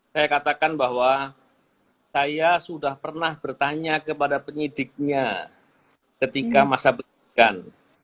saya katakan bahwa saya sudah pernah bertanya kepada penyidiknya ketika masa penyidikan